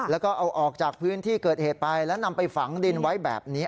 แล้วก็เอาออกจากพื้นที่เกิดเหตุไปแล้วนำไปฝังดินไว้แบบนี้